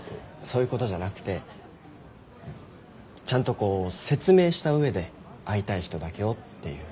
そういうことじゃなくてちゃんとこう説明した上で会いたい人だけをっていう。